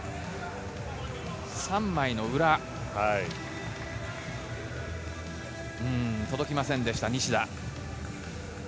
３枚の裏、届きませんでした、西田。